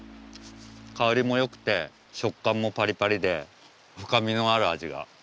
香りも良くて食感もパリパリで深みのある味が。